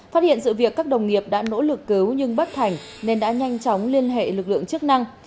phát hiện sự việc các đồng nghiệp đã nỗ lực cứu nhưng bất thành nên đã nhanh chóng liên hệ lực lượng chức năng